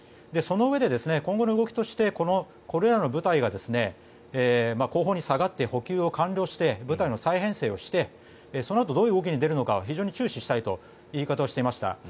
そのうえで今後の動きとしてこれらの部隊が後方に下がって補給を完了して部隊の再編成をしてそのあとどういう動きに出るのか注視したいとしていました。